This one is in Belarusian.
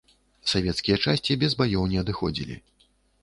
Савецкія часці без баёў не адыходзілі.